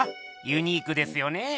ユニークですよねぇ！